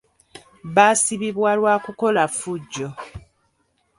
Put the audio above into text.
Baasibibwa lwa kukola ffujjo.